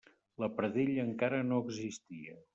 La Pradella encara no existia.